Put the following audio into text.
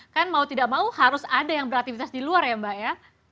kan mau tidak mau harus ada yang beraktivitas di luar ya mbak ya